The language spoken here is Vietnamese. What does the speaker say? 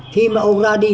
khi mà ông ra đi